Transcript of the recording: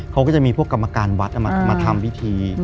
เขาก็จะมีพวกกรรมการวัดมาทำพิธี